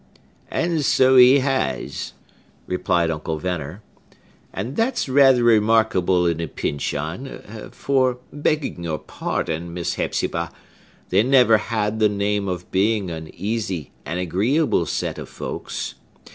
"And so he has" replied Uncle Venner. "And that's rather remarkable in a Pyncheon; for, begging your pardon, Miss Hepzibah, they never had the name of being an easy and agreeable set of folks.